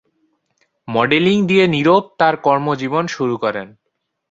Modelling দিয়ে নিরব তার কর্মজীবন শুরু করেন।